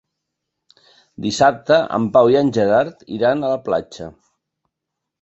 Dissabte en Pau i en Gerard iran a la platja.